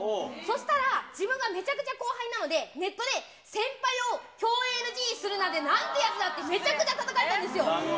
そしたら自分がめちゃくちゃ後輩なので、ネットで先輩を共演ＮＧするなんてなんてやつだって、めちゃくちゃたたかれたんですよ。